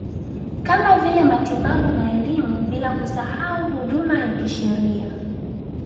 Kama vile matibabu na elimu bila kusahau huduma ya kisheria